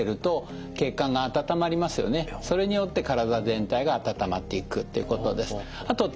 それによって体全体が温まっていくっていうことです。